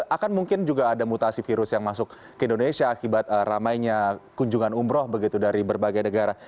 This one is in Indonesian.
akan mungkin juga ada mutasi virus yang masuk ke indonesia akibat ramainya kunjungan umroh begitu dari berbagai negara